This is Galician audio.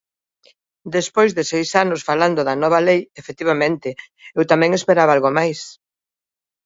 Despois de seis anos falando da nova lei, efectivamente, eu tamén esperaba algo máis.